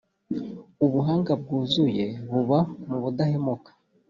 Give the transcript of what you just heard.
ubuhanga bwuzuye buba mu budahemuka.